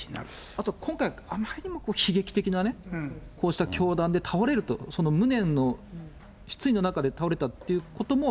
あと今回、あまりにも悲劇的なね、こうした凶弾で倒れると、無念の、失意の中で倒れたということも。